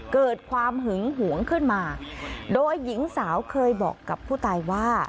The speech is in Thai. เกิดความหึงหวงขึ้นมาโดยหญิงสาวเคยบอกกับผู้ตายว่า